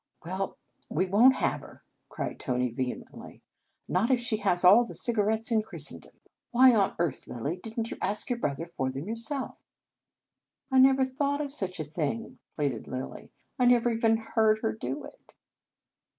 "Well, we won t have her," cried Tony vehemently. " Not if she has all the cigarettes in Christendom. 128 Un Conge sans Cloche Why on earth, Lilly, did n t you ask your brother for them yourself? " "I never thought of such a thing," pleaded Lilly. "I never even heard her do it."